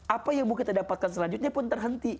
apa yang mau kita dapatkan selanjutnya pun terhenti